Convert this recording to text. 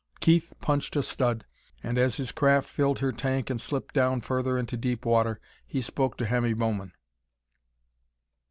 Keith punched a stud, and, as his craft filled her tank and slipped down further into deep water, he spoke to Hemmy Bowman.